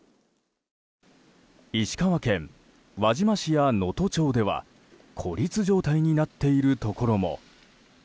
石川県輪島市や能登町では孤立状態になっているところも。